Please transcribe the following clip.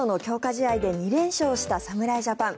試合で２連勝した侍ジャパン。